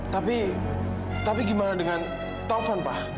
tapi tapi gimana dengan taufan pak